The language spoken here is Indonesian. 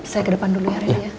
saya ke depan dulu ya rendy ya